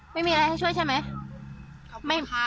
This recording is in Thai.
ไม่มีอะไรให้ช่วยใช่ไหม